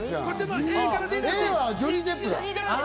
Ａはジョニー・デップだ。